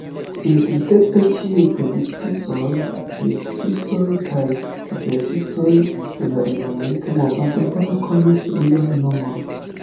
Intertempe ĉiuj predikistoj, misiistoj kaj kvestistoj en la Evangelika movado bone konis lian nomon.